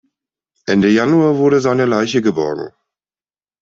Ende Januar wurde seine Leiche geborgen.